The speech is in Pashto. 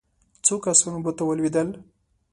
څو کسان اوبو ته ولوېدل.